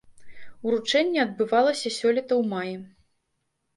Уручэнне адбывалася сёлета ў маі.